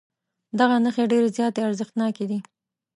دغه نښې ډېرې زیاتې ارزښتناکې دي.